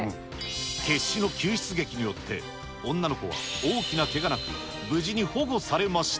必死の救出劇によって、女の子は大きなけがなく、無事に保護されました。